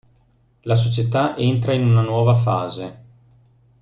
La società entra in una nuova fase.